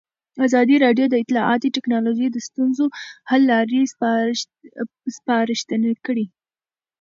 ازادي راډیو د اطلاعاتی تکنالوژي د ستونزو حل لارې سپارښتنې کړي.